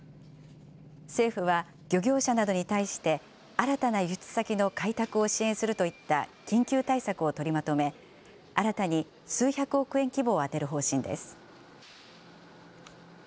政府は漁業者などに対して、新たな輸出先の開拓を支援するといった緊急対策を取りまとめ、新たに数百億円規模を充てる方針です。